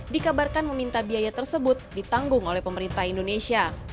dikabarkan meminta biaya tersebut ditanggung oleh pemerintah indonesia